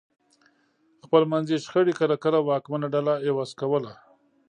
خپلمنځي شخړې کله کله واکمنه ډله عوض کوله